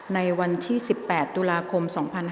ในวันที่๑๘ตุลาคม๒๕๕๙